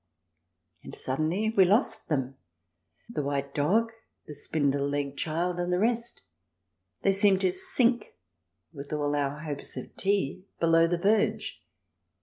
... And suddenly we lost them, the white dog, the spindle legged child, and the rest. They seemed to sink, with all our hopes of tea, below the verge.